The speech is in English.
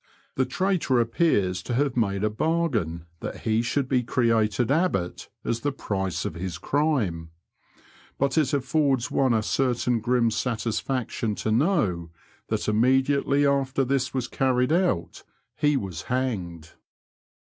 The traitor appears to haye made a bargain that he should be created Abbot as the price of his crime ; but it a£E6rds one a certain grim satisfaction to know that immediately after this was carried out he was hanged.